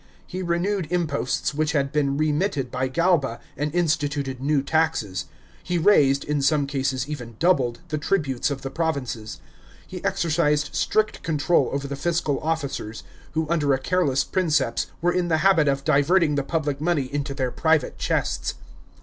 * He renewed imposts which had been remitted by Gralba, and insti tuted new taxes. He rais^, in some cases even doubled, the tributes of the provinces. He exercised strict control over the fiscal officers, who under a careless Princeps were in the habit of diverting the public money into their private chests.